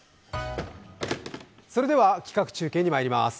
それでは企画中継にまいります。